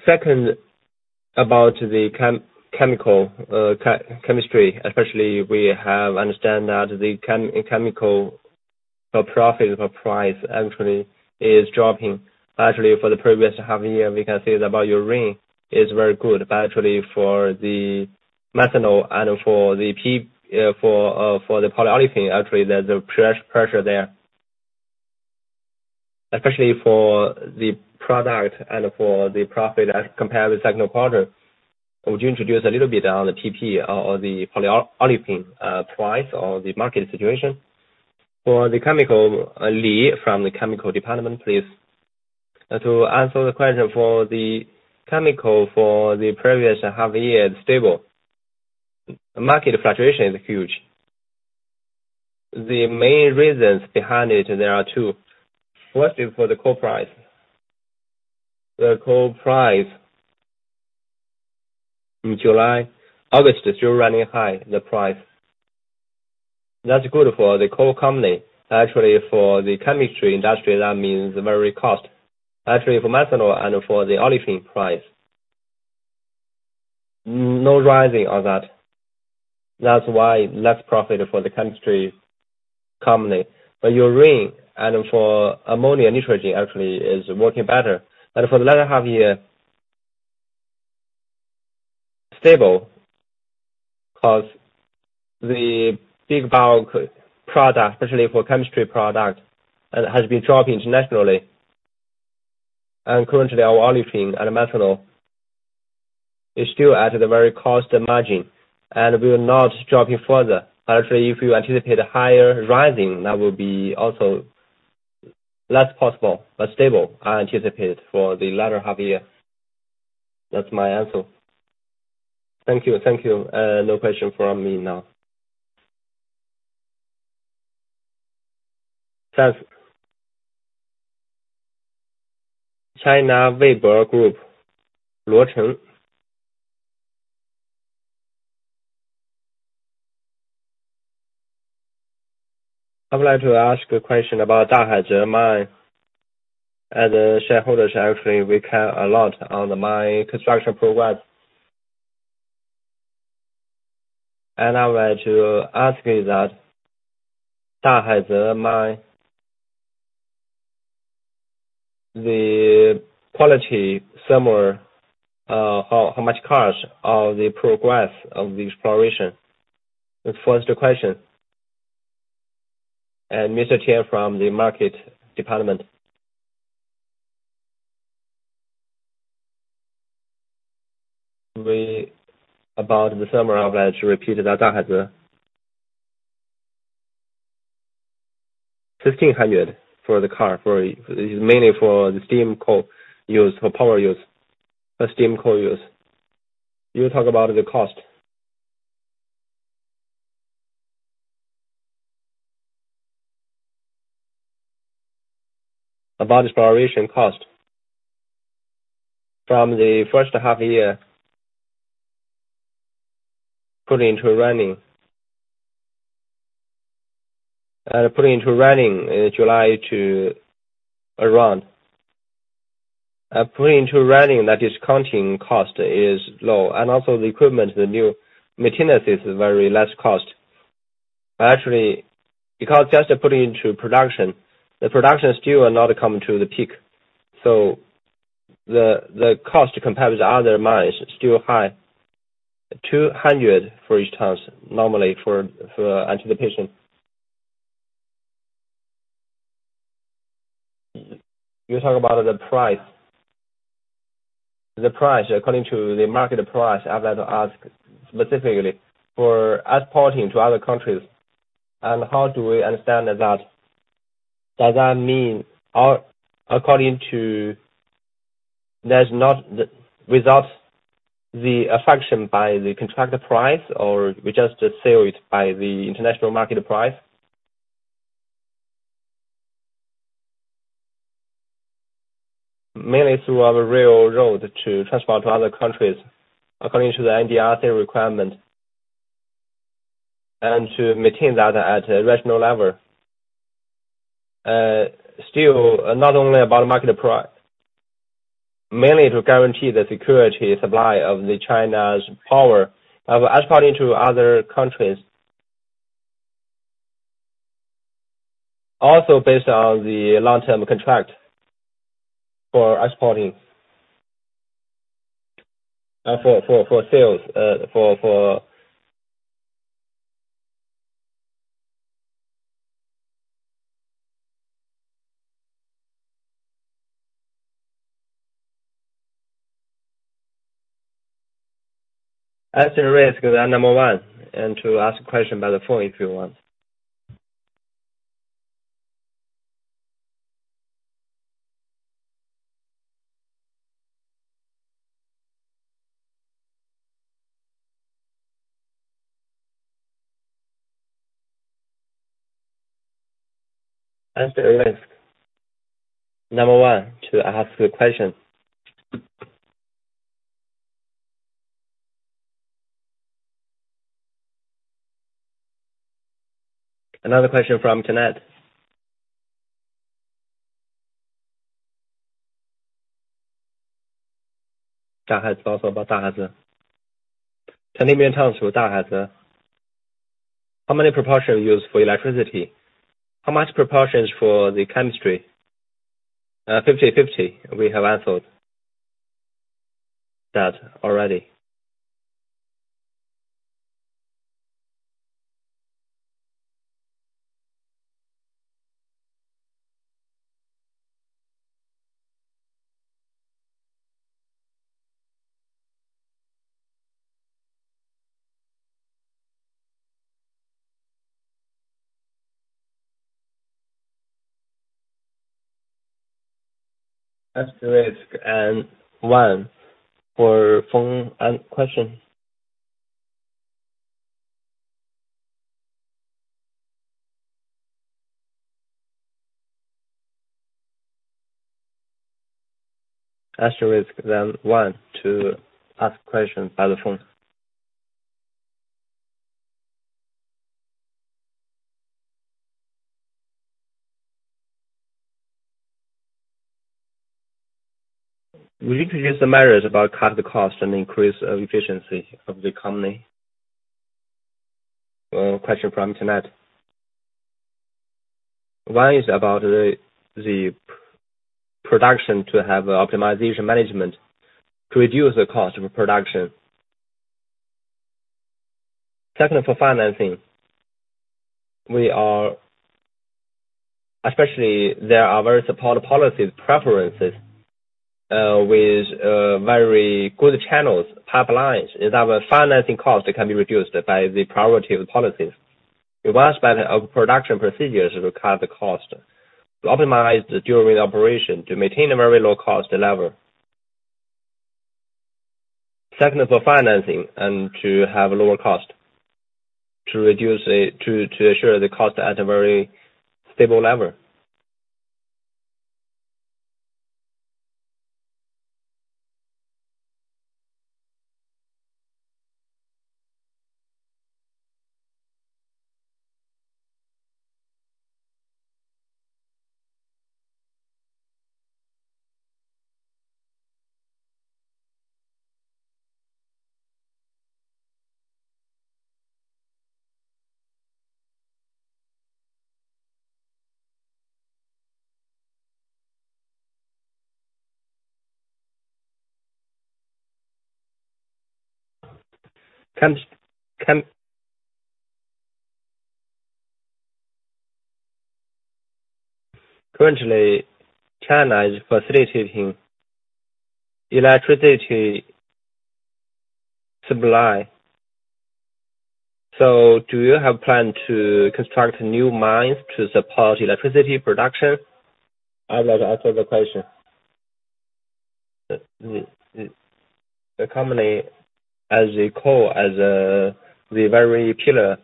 Second, about the chemical, chemistry, especially we understand that the chemical profit or price actually is dropping. Actually, for the previous half year, we can say that about urea is very good, but actually for the methanol and for the polyolefin, actually there's a pressure there. Especially for the product and for the profit as compared to second quarter. Would you introduce a little bit on the PP or the polyolefin price or the market situation? For the chemical, Lee from the chemical department, please. To answer the question for the chemical for the previous half year is stable. Market fluctuation is huge. The main reasons behind it, there are two. First is for the coal price. The coal price in July, August is still running high, the price. That's good for the coal company. Actually, for the chemical industry, that means high cost. Actually, for methanol and for the olefin price, no rising on that. That's why less profit for the chemical company. Urea and ammonium nitrate actually is working better. For the latter half year, stable, 'cause the big bulk products, especially for chemical products, has been dropping internationally. Currently our olefin and methanol is still at a very low margin and will not dropping further. Actually, if you anticipate a higher rising, that will be also less possible, but stable, I anticipate for the latter half year. That's my answer. Thank you. Thank you. No question from me now. Thanks. [Weibo Corporation]. I would like to ask a question about Dahaize mine. As shareholders, actually, we care a lot on the mine construction progress. I want to ask is that Dahaize mine. The quality, how much is the cost of the progress of the exploration? The first question. Mr. Chen from the Market Department. We're about the summer, I'd like to repeat that Dahaize 1,500 for the core, for mainly for the steam coal use, for power use. Steam coal use. You talk about the cost. About exploration cost. From the first half year, put into running in July to around. Put into running, the depreciation cost is low. And also the equipment, the new maintenance is very low cost. Actually, because just putting into production, the production is still not coming to the peak. So the cost compared with other mines is still high. 200 for each ton, normally for operation. You talk about the price. The price, according to the market price, I'd like to ask specifically for exporting to other countries and how do we understand that? Does that mean according to without being affected by the contract price or we just sell it by the international market price? Mainly through our railroad to transport to other countries according to the NDRC requirement. To maintain that at a rational level. Still, not only about market price. Mainly to guarantee the secure supply of China's power. Exports to other countries also based on the long-term contract for exporting. For sales. Asterisk then one, and to ask question by the phone if you want. Asterisk one to ask a question. Another question from internet. How many proportion used for electricity? How much proportions for the chemistry? 50/50, we have answered that already. Asterisk and one for phone a question. Asterisk then one to ask question by the phone. Will you please summarize about cut the cost and increase, efficiency of the company? Question from internet. One is about the production to have optimization management to reduce the cost of production. Second, for financing. We are especially there are very support policies, preferences, with very good channels, pipelines, is our financing cost can be reduced by the priority of the policies. Advanced by the our production procedures will cut the cost, to optimize during operation to maintain a very low cost level. Second, for financing and to have a lower cost. To reduce, to assure the cost at a very stable level. Currently, China is facilitating electricity supply. Do you have plan to construct new mines to support electricity production? I will answer the question. The company as the very pillar,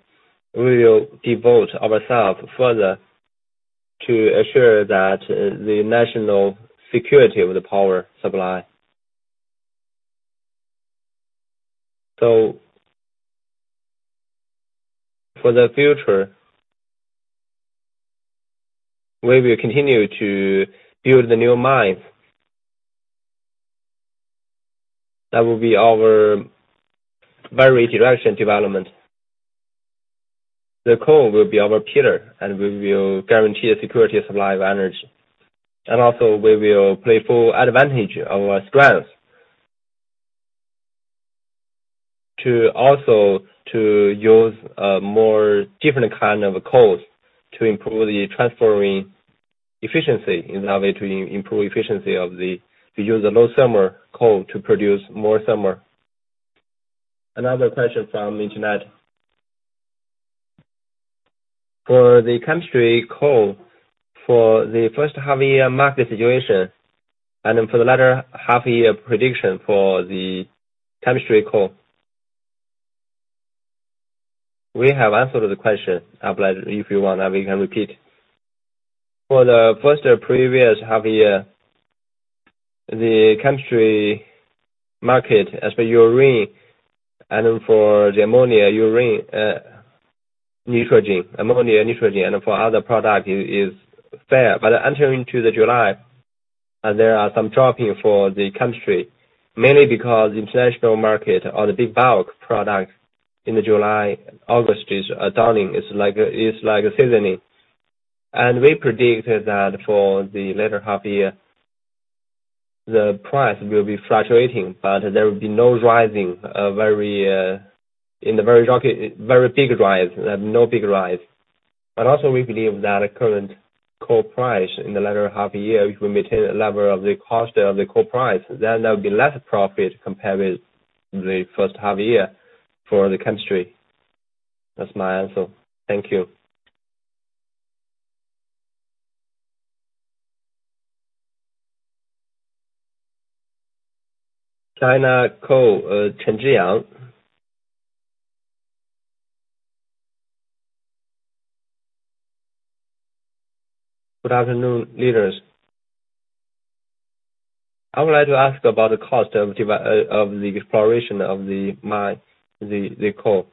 we will devote ourselves further to assure that the national security of the power supply. For the future, we will continue to build the new mines. That will be our very direction development. The coal will be our pillar, and we will guarantee a security supply of energy. We will give full play to our strengths. To use more different kind of coal to improve the transferring efficiency, in that way to improve efficiency to use a low-sulfur coal to produce more steam. Another question from internet. For the chemical coal, for the first half-year market situation, and then for the latter half-year prediction for the chemical coal. We have answered the question. I'm glad if you want that we can repeat. For the first previous half year, the chemical market, as for urea and for the ammonium nitrate, nitrogen, ammonia nitrogen and for other product is fair. Entering into July, there are some dropping for the chemical, mainly because international market on the big bulk product in July, August is down. It's like, it's like a seasonal. We predicted that for the latter half year, the price will be fluctuating, but there will be no very rocketing, very big rise. There's no big rise. We believe that current coal price in the latter half year will maintain a level of the cost of the coal price, then there'll be less profit compared with the first half year for the chemical. That's my answer. Thank you. China Coal, Chen Xuyang. Good afternoon, leaders. I would like to ask about the cost of the exploration of the mine, the coal.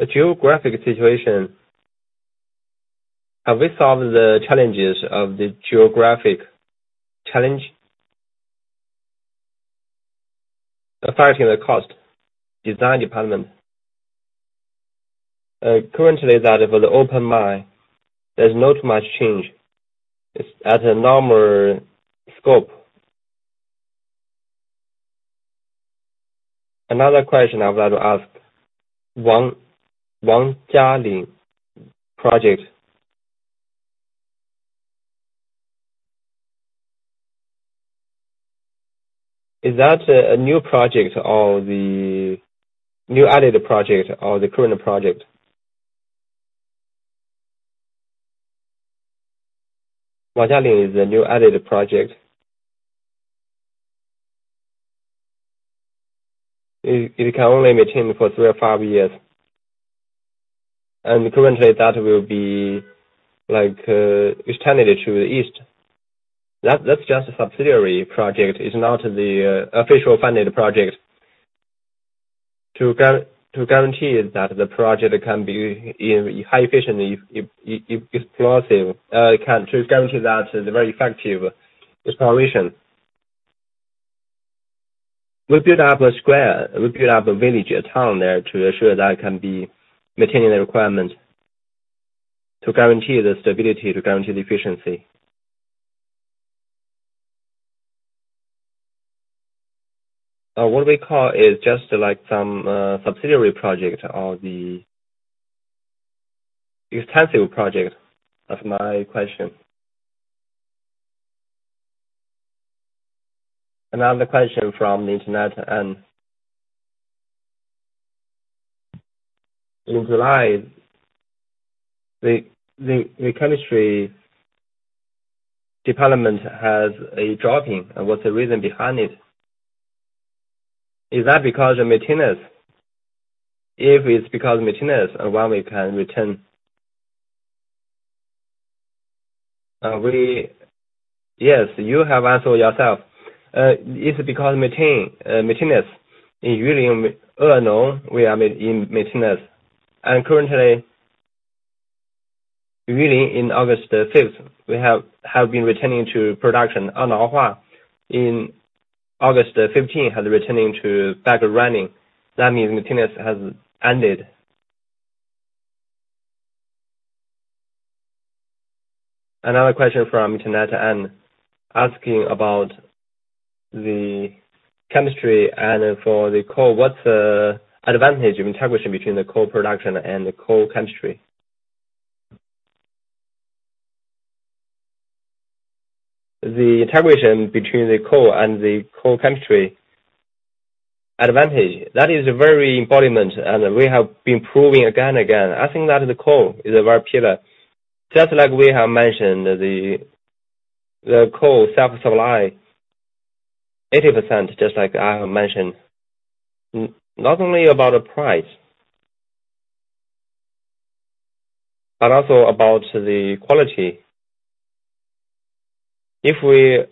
The geographic situation, have we solved the challenges of the geographic challenge affecting the cost design department? Currently that for the open mine, there's not much change. It's at a normal scope. Another question I would like to ask. Wangjialing project. Is that a new project or the new added project or the current project? Wangjialing is a new added project. It can only be maintained for three or five years. Currently, that will be like extended to the east. That's just a subsidiary project. It's not the official funded project. To guarantee that the project can be highly efficient if explosive, to guarantee that it's very effective exploration. We build up a square, we build up a village, a town there to ensure that can be maintaining the requirements to guarantee the stability, to guarantee the efficiency. What we call is just like some subsidiary project or the extensive project. That's my question. Another question from the internet. In July, the chemistry department has a dropping. What's the reason behind it? Is that because of maintenance? If it's because of maintenance, when we can return? Yes, you have asked for yourself. It's because maintenance. In Yulin, no, we are in maintenance. Currently, Yulin in August 5th, we have been returning to production. Anhui, in August 15th, has returning to back running. That means maintenance has ended. Another question from the internet, asking about the chemistry and for the coal. What's the advantage of integration between the coal production and the coal chemistry? The integration between the coal and the coal chemistry advantage, that is very important, and we have been proving again and again. I think that the coal is a very pillar. Just like we have mentioned, the coal self-supply 80%, just like I have mentioned, not only about the price, but also about the quality. If we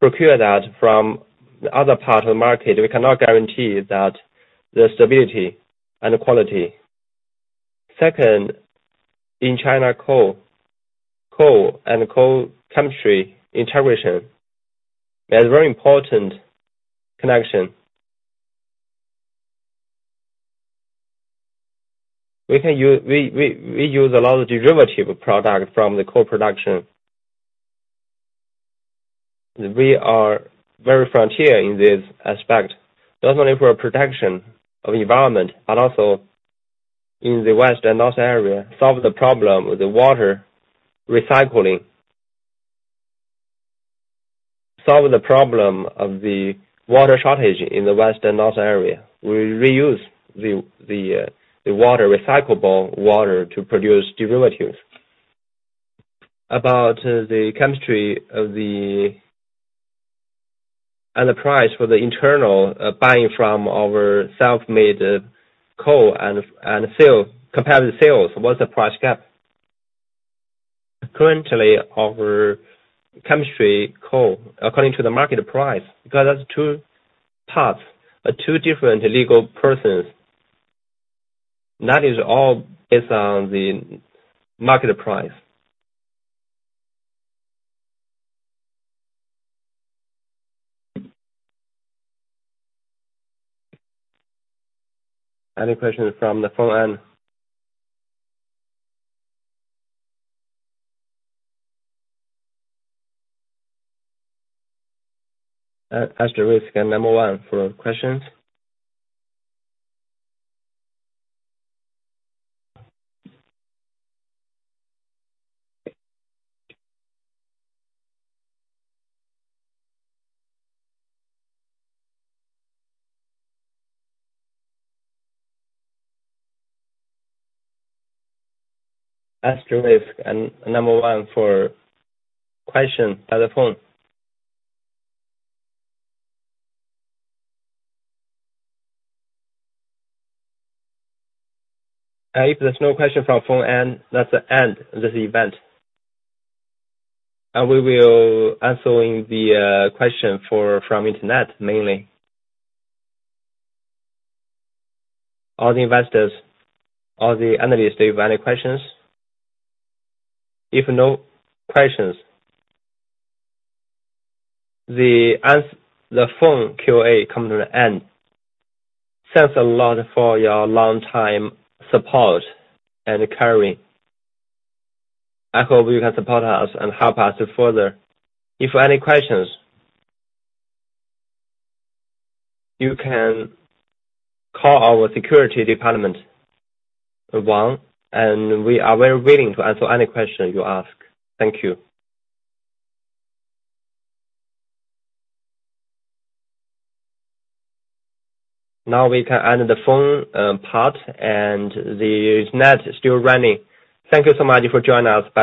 procure that from the other part of the market, we cannot guarantee that the stability and the quality. Second, in China, coal and coal chemistry integration is very important connection. We use a lot of derivative product from the coal production. We are very frontier in this aspect, not only for protection of environment, but also in the west and north area, solve the problem with the water recycling. Solve the problem of the water shortage in the west and north area. We reuse the water, recyclable water, to produce derivatives. About the chemicals. The price for the internal buying from our self-made coal and sale, comparative sales, what's the price gap? Currently our coal chemical according to the market price, because that's two parts. Two different legal persons. That is all based on the market price. Any questions from the phone end? Asterisk and number one for questions. Asterisk and number one for questions by the phone. If there's no question from phone end, that's the end of this event. We will answering the question from Internet, mainly. All the investors, all the analysts, do you have any questions? If no questions, the phone QA come to an end. Thanks a lot for your long-time support and inquiry. I hope you can support us and help us to further. If you've any questions, you can call our securities department, one, and we are very willing to answer any question you ask. Thank you. Now we can end the phone part and the Internet is still running. Thank you so much for joining us by the-